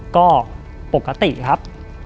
ก็ปกติครับ